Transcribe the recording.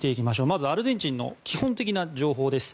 まずアルゼンチンの基本的な情報です。